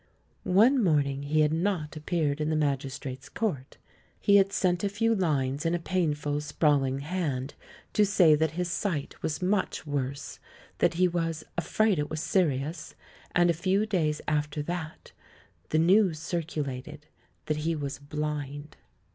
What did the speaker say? One morning he had not appeared at the Magis trate's Court; hQ had sent a few lines in a pain 102 THE MAN WHO UNDERSTOOD WOMEN ful, sprawling hand, to say that his sight was much worse — that he was "afraid it was serious" ; and a few days after that, the news circulated that he was blind.